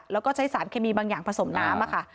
แล้วก็ใช้สารเคมีบางอย่างผสมน้ำค่ะ